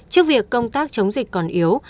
trước việc công tác chống dịch còn yếu